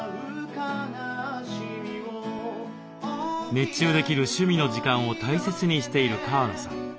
熱中できる趣味の時間を大切にしている川野さん。